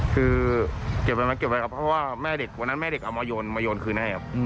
คือเก็บวันนั้นเก็บไว้ครับเพราะว่าแม่เด็กวันนั้นแม่เด็กเอามาโยนมาโยนคืนให้ครับ